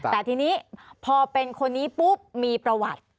แต่ทีนี้พอเป็นคนนี้ปุ๊บมีประวัติ